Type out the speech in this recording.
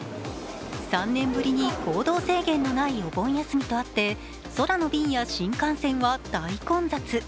３年ぶりに行動制限のないお盆休みとあって空の便や新幹線は大混雑。